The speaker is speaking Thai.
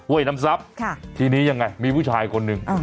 เว้ยน้ำซับค่ะทีนี้ยังไงมีผู้ชายคนหนึ่งอืม